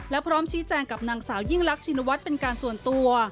และพร้อมชี้แจงกับนางสาวยิ่งรักชินวัฒน์เป็นการส่วนตัว